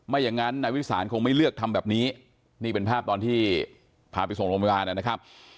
อย่างนั้นนายวิสานคงไม่เลือกทำแบบนี้นี่เป็นภาพตอนที่พาไปส่งโรงพยาบาลนะครับ